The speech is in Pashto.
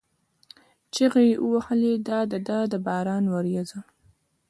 چیغې یې وهلې: دا ده د باران ورېځه!